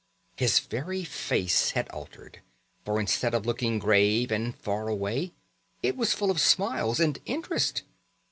His very face had altered, for instead of looking grave and far away it was full of smiles and interest.